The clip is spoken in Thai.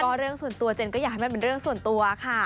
ก็เรื่องส่วนตัวเจนก็อยากให้มันเป็นเรื่องส่วนตัวค่ะ